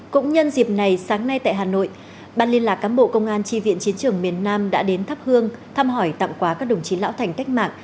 cũng nhân dịp này sáng nay tại hà nội ban liên lạc cán bộ công an tri viện chiến trường miền nam đã đến thắp hương thăm hỏi tặng quà các đồng chí lão thành cách mạng